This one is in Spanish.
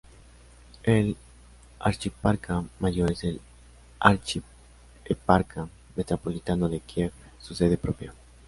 El archieparca mayor es el archieparca metropolitano de Kiev, su sede propia.